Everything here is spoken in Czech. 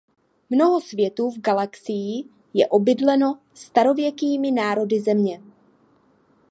Mnoho světů v galaxii je obydleno starověkými národy Země.